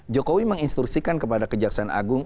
jokowi menginstruksikan kepada kejaksaan agung